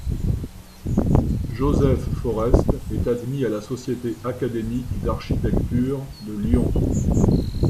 Joseph Forest est admis à la société académique d'architecture de Lyon.